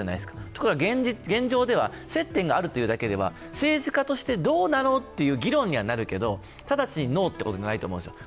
ところが現状では、接点があるだけでは政治家としてどうなのという議論にはなるけれども、直ちにノーということではないと思うんですよ。